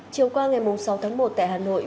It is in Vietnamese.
chiều qua ngày sáu tháng một tại hà nội